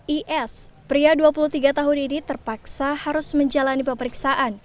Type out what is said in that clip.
is pria dua puluh tiga tahun ini terpaksa harus menjalani pemeriksaan